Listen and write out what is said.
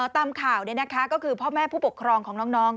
ตามข่าวก็คือพ่อแม่ผู้ปกครองของน้อง